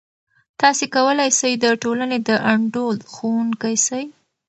تاسې کولای سئ د ټولنې د انډول ښوونکی سئ.